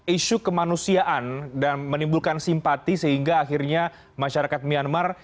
isu kemanusiaan dan menimbulkan simpati sehingga akhirnya masyarakat myanmar